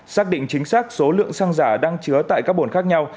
xác định chính xác số lượng xăng giả đang chứa tại các bồn khác nhau